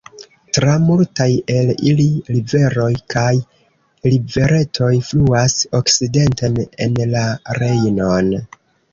Tra multaj el ili riveroj kaj riveretoj fluas okcidenten en la Rejnon.